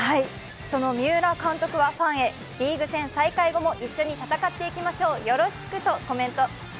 その三浦監督はファンへリーグ戦再開後も一緒に戦っていきましょう、ヨロシク！とコメント。